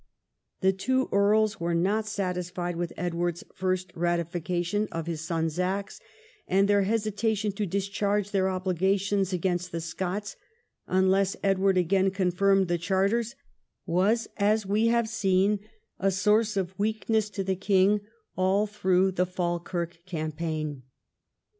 The two earls were not satisfied with Edward's first ratifica tion of his son's acts, and their hesitation to discharge their obligations against the Scots, unless Edward again confirmed the Charters, was, as we have seen, a source of weakness to the kiug all through the Falkirk cam paign.